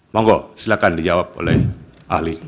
monggo silahkan dijawab oleh ahli